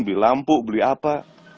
beli lampu beli apa